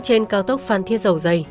trên cao tốc phan thiết dầu dày